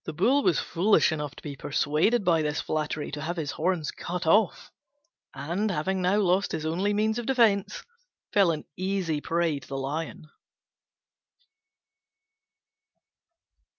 The Bull was foolish enough to be persuaded by this flattery to have his horns cut off; and, having now lost his only means of defence, fell an easy prey to the Lion.